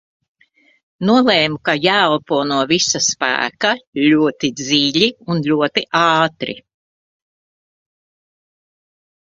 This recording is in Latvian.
Nolēmu, ka jāelpo no visa spēka ļoti dziļi un ļoti ātri.